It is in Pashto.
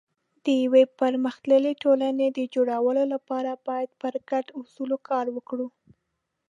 د یو پرمختللي ټولنې د جوړولو لپاره باید پر ګډو اصولو کار وکړو.